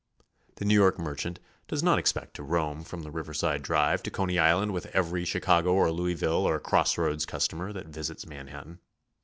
The New York merchant does not expect to roam from the Riverside Drive to Coney Island with every Chi cago or Louisville or Crossroads customer that visits Man hattan.